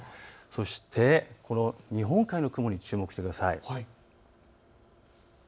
そして日本海の雲に注目してください。